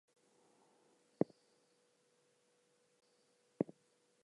He was coached by Hernan Humana.